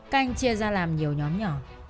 cảnh chia ra làm nhiều nhóm nhỏ